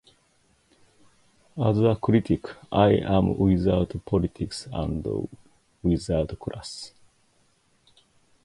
As a critic I am without politics and without class.